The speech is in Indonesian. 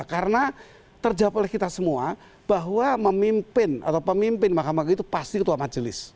karena terjawab oleh kita semua bahwa memimpin atau pemimpin mahkamah itu pasti ketua majelis